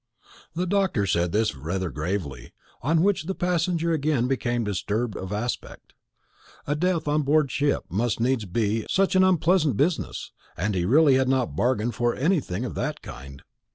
The doctor said this rather gravely, on which the passenger again became disturbed of aspect. A death on board ship must needs be such an unpleasant business, and he really had not bargained for anything of that kind.